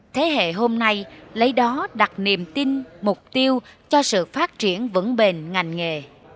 thế hệ hôm nay lấy đó đặt niềm tin mục tiêu cho sự phát triển vững bền ngành nghề